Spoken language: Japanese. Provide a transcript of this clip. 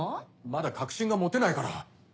まだ確信が持てないから。